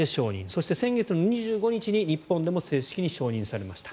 そして、先月２５日に日本でも正式に承認されました。